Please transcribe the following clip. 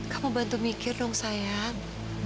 kamu bantu mikir dong sayang